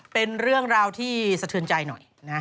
เป็นเรื่องราวที่สะเทือนใจหน่อยนะ